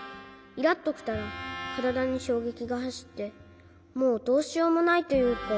イラッときたらからだにしょうげきがはしってもうどうしようもないというか。